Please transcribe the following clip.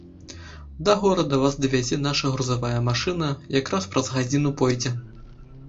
Да горада вас давязе наша грузавая машына, якраз праз гадзіну пойдзе.